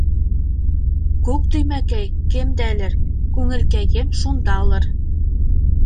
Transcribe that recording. Күк төймәкәй кемдәлер, күңелкәйем шундалыр.